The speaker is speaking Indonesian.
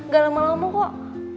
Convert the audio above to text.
gak lama lama kok